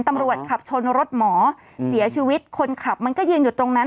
ตำรวจขับชนรถหมอเสียชีวิตคนขับมันก็ยืนอยู่ตรงนั้น